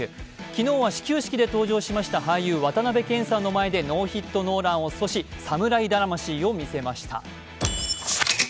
昨日は始球式で登場しました俳優、渡辺謙さんの前でノーヒットノーランを阻止、サムライ魂を見せました。